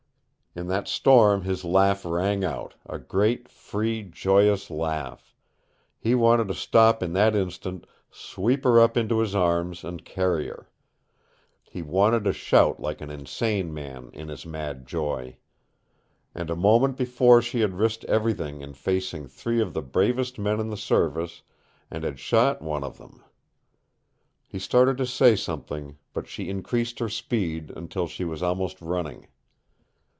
In that storm his laugh rang out, a great, free, joyous laugh. He wanted to stop in that instant, sweep her up into his arms, and carry her. He wanted to shout like an insane man in his mad joy. And a moment before she had risked everything in facing three of the bravest men in the service and had shot one of them! He started to say something, but she increased her speed until she was almost running.